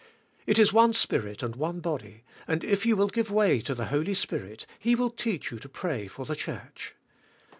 It is one Spirit and one body and if you will g ive way to the Holy Spirit He will teach you . to pray for the church.